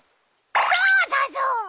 そうだぞ。